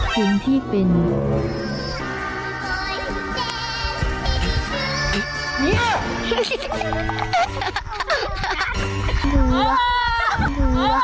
ชมที่เป็น